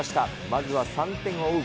まずは３点を追う